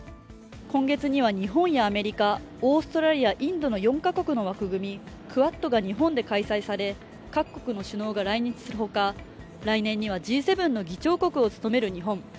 今月には、日本やアメリカ、オーストラリア、インドの４カ国の枠組みクアッドが日本で開催され各国の首脳が来日するほか、来年にはＧ７の議長国を務める日本。